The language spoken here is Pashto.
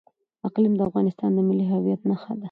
اقلیم د افغانستان د ملي هویت نښه ده.